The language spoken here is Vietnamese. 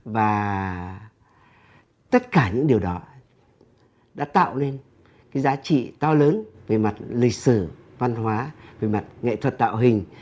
và tất cả những điều đó đã tạo lên cái giá trị to lớn về mặt lịch sử văn hóa về mặt nghệ thuật tạo hình